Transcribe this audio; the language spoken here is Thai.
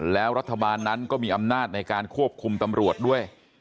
แล้วรัฐบาลนั้นก็มีอำนาจในการควบคุมตำรวจด้วย